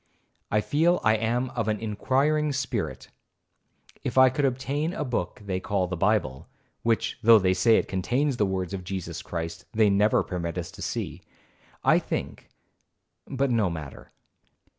I feel I am of an inquiring spirit, and if I could obtain a book they call the Bible, (which, though they say it contains the words of Jesus Christ, they never permit us to see) I think—but no matter.